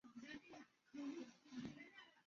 埃尔茨城堡是德国的一座中世纪时期城堡。